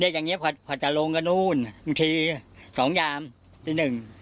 เรียกอย่างนี้พอจะลงกับนู่นบางที๒ยามที๑